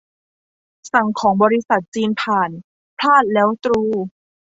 สั่งของบริษัทจีนผ่าน พลาดแล้วตรู